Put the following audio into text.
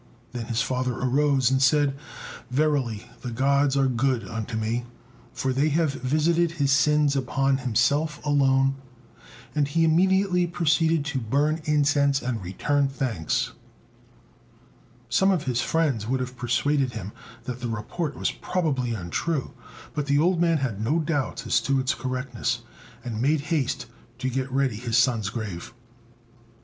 Then his father arose and said, "Verily the Gods are good unto me, for they have visited his sins upon himself alone;" and he immediately proceeded to burn incense and return thanks. Some of his friends would have persuaded him that the report was probably untrue; but the old man had no doubts as to its correctness, and made haste to get ready his son's grave.